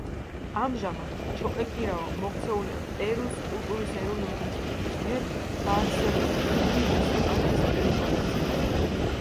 ამჟამად, ჩოკეკირაო მოქცეულია პერუს კულტურის ეროვნული ინსტიტუტის მიერ დაარსებული უდიდესი პარკის ტერიტორიაზე.